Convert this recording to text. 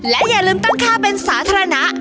และอย่าลืมตั้งค่าเป็นสาธารณะ